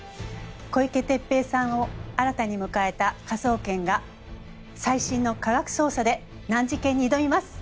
小池徹平さんを新たに迎えた科捜研が最新の科学捜査で難事件に挑みます。